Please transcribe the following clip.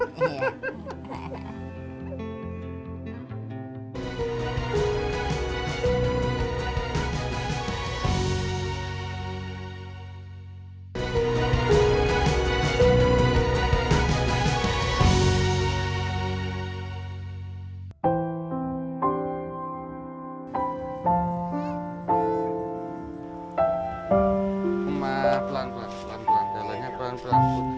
jalan jalannya pelan pelan putri